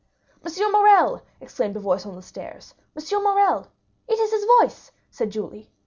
"Monsieur Morrel!" exclaimed a voice on the stairs; "Monsieur Morrel!" "It is his voice!" said Julie.